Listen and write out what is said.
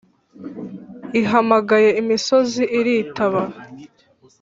ihamagaye imisozi iritaba.